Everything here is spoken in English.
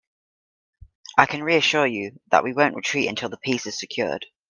I can reassure you, that we won't retreat until the peace is secured.